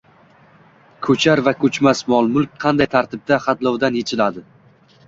Ko‘char va ko‘chmas mol-mulk qanday tartibda xatlovdan yechiladi?